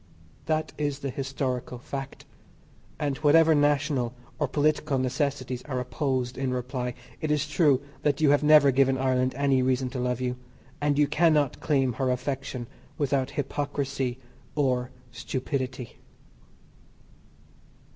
That is the historical fact, and whatever national or political necessities are opposed in reply, it is true that you have never given Ireland any reason to love you, and you cannot claim her affection without hypocrisy or stupidity.